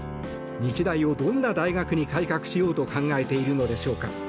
日大をどんな大学に改革しようと考えているのでしょうか。